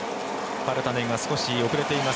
パルタネンが少し遅れています。